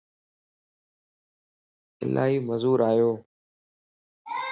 الائي مزو آيوو